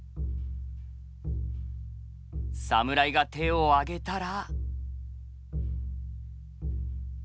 侍が手を上げたら。